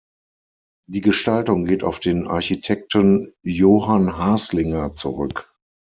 Die Gestaltung geht auf den Architekten "Johann Haslinger" zurück.